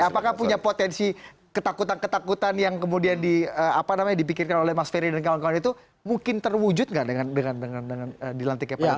apakah punya potensi ketakutan ketakutan yang kemudian dipikirkan oleh mas ferry dan kawan kawan itu mungkin terwujud nggak dengan dilantiknya pak jokowi